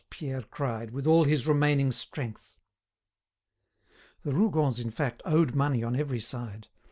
Pierre cried, with all his remaining strength. The Rougons, in fact, owed money on every side.